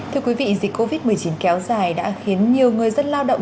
thưa quý vị dịch covid một mươi chín kéo dài đã khiến nhiều người dân lao động